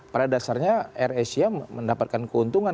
pada dasarnya air asia mendapatkan keuntungan